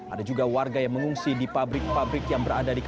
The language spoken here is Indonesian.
ada juga warga yang mengungsi di pabrik pabrik